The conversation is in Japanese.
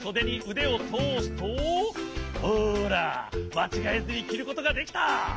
まちがえずにきることができた。